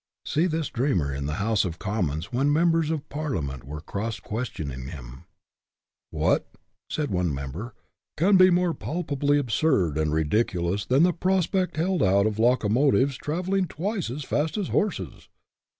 See this dreamer in the House of Commons, when members of Parliament were cross question 66 WORLD OWES TO DREAMERS ing him. " What," said one member, " can be more palpably absurd and ridiculous than the prospect held out of locomotives traveling twice as fast as horses?